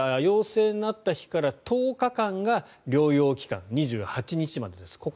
陽性になった日から１０日間が療養期間、２８日までです。